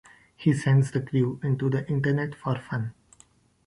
He sends the crew into the Internet for fun.